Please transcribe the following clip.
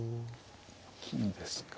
金ですか。